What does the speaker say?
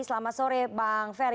selamat sore bang ferry